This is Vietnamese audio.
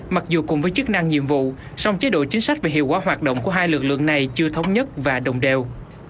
mặc dù cùng với chức năng nhiệm vụ song chế độ chính sách và hiệu quả hoạt động của hai lực lượng này chưa thống nhất và đồng đều